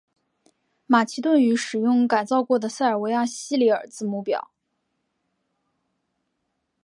马其顿语使用改造过的塞尔维亚西里尔字母表。